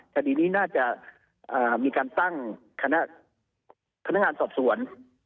คดีนี้น่าจะมีการตั้งคณะพนักงานสอบสวน